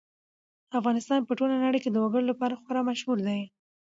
افغانستان په ټوله نړۍ کې د وګړي لپاره خورا مشهور دی.